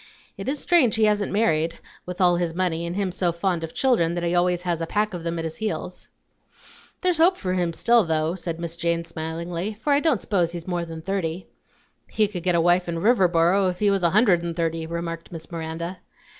It is strange he hasn't married, with all his money, and him so fond of children that he always has a pack of them at his heels." "There's hope for him still, though," said Miss Jane smilingly; "for I don't s'pose he's more than thirty." "He could get a wife in Riverboro if he was a hundred and thirty," remarked Miss Miranda.